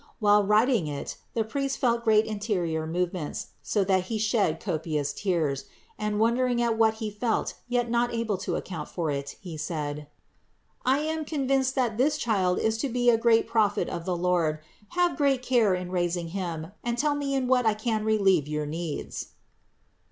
While writing it the priest felt great interior movements, so that he shed copious tears; and wondering at what he felt yet not being able to account for, he said : "I am convinced that this Child is to be a great Prophet of the Lord. Have great care in raising Him, and tell me in what I can THE INCARNATION 451 relieve your needs."